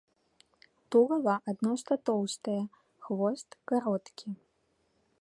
Тулава адносна тоўстае, хвост кароткі.